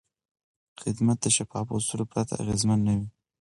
خدمت د شفافو اصولو پرته اغېزمن نه وي.